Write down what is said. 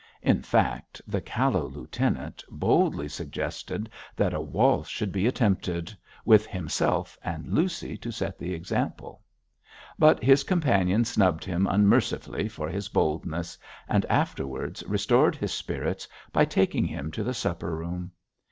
In fact, the callow lieutenant boldly suggested that a waltz should be attempted, with himself and Lucy to set the example; but his companion snubbed him unmercifully for his boldness, and afterwards restored his spirits by taking him to the supper room.